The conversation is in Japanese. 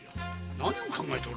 何を考えておるのだ？